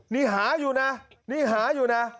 นี่หาอยู่นะนี่หาอยู่นะ